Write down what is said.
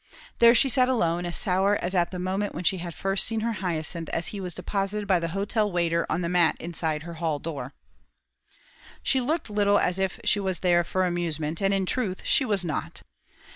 There she sat alone, as sour as at the moment when she had first seen her Hyacinth as he was deposited by the hotel waiter on the mat inside her hall door. She looked little as if she was there for amusement, and, in truth, she was not.